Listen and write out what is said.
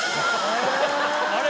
あれ？